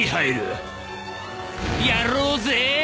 やろうぜ！